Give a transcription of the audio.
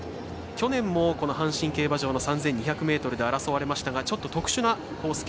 去年も阪神競馬場の３２００ｍで争われましたがちょっと特殊なコース